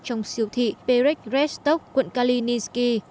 trong siêu thị perek redstock quận kalinitsky